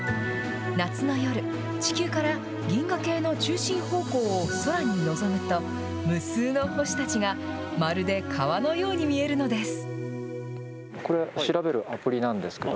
夏の夜、地球から銀河系の中心方向を空に望むと、無数の星たちがまるで川のように見えるのです。